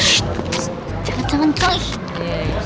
shh jangan jangan coy